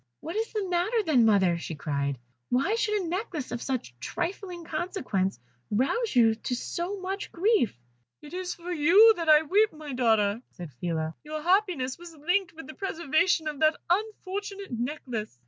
"What is the matter, then, mother?" she cried. "Why should a necklace of such trifling consequence rouse you to so much grief?" "It is for you I weep, my daughter," said Phila. "Your happiness was linked with the preservation of that unfortunate necklace."